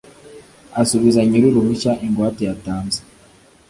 asubiza nyir uruhushya ingwate yatanze